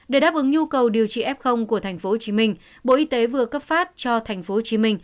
để đáp ứng nhu cầu điều trị f của tp hcm bộ y tế vừa cấp phát cho tp hcm